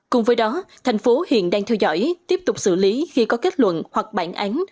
cùng với đó thành phố hiện đang theo dõi tiếp tục xử lý khi có kết luận hoặc bản án